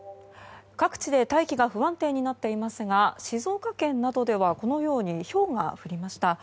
各地で大気が不安定になっていますが静岡県などではひょうが降りました。